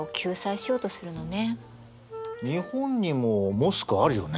日本にもモスクあるよね。